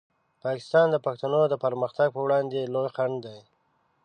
پاکستان د پښتنو د پرمختګ په وړاندې لوی خنډ دی.